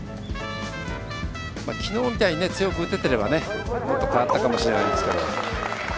きのうみたいに強く打ててればまた変わったかもしれないんですけど。